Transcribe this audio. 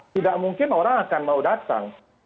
tidak mungkin orang akan mau datang